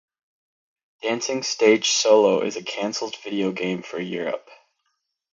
Dancing Stage Solo is a cancelled video game for Europe.